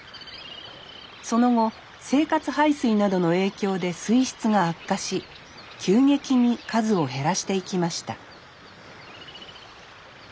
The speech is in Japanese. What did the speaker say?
その後生活排水などの影響で水質が悪化し急激に数を減らしていきました